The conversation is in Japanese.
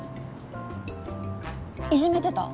いじめてた？